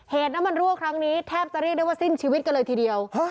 น้ำมันรั่วครั้งนี้แทบจะเรียกได้ว่าสิ้นชีวิตกันเลยทีเดียว